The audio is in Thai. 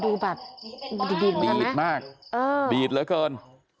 ดูแบบดีดเหมือนกันนะดีดมากดีดเหลือเกิน